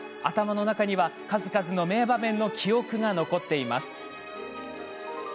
頭の中には、数々の名場面が記憶されています。